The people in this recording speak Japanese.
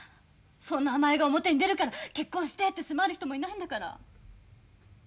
そんな甘えが表に出るから結婚してって迫る人もいないんだから。